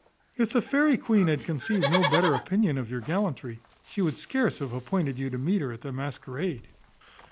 If the fairy queen had conceived no better opinion of your gallantry, she would scarce have appointed you to meet her at the masquerade."